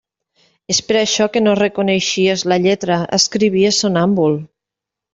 És per això que no reconeixies la lletra: escrivies somnàmbul.